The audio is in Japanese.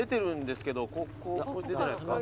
出てないすか？